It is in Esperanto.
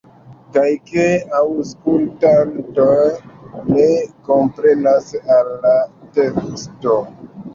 Kaj ke aŭskultanto ne komprenas al la teksto?